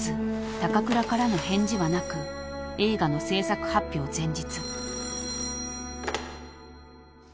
高倉からの返事はなく映画の製作発表前日］